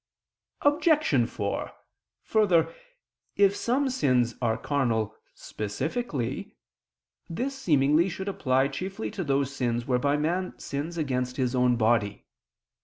Obj. 4: Further, if some sins are carnal specifically, this, seemingly, should apply chiefly to those sins whereby man sins against his own body.